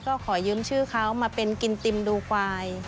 ก็ขอยืมชื่อเขามาเป็นกินติมดูควาย